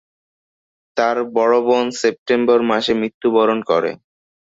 তার বড় বোন সেপ্টেম্বর মাসে মৃত্যুবরণ করে।